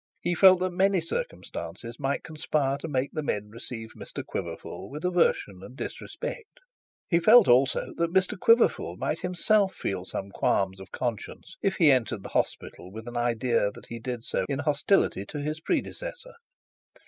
He felt that many circumstances might conspire to make the men receive Mr Quiverful with aversion and disrespect; he felt also that Mr Quiverful might himself feel some qualms of conscience if he entered the hospital with an idea that he did so in hostility to his predecessor.